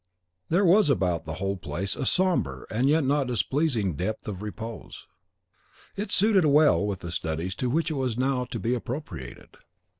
There was about the whole place a sombre and yet not displeasing depth of repose. It suited well with the studies to which it was now to be appropriated.